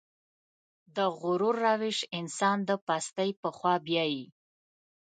د غرور روش انسان د پستۍ په خوا بيايي.